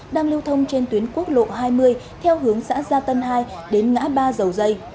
đang lưu thông trên tuyến quốc lộ hai mươi theo hướng xã gia tân hai đến ngã ba dầu dây